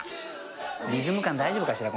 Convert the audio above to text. リズム感大丈夫かしら？